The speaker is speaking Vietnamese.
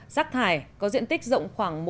giác thải có diện tích rộng khoảng một m hai